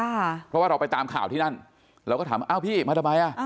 เพราะว่าเราไปตามข่าวที่นั่นเราก็ถามอ้าวพี่มาทำไมอ่ะ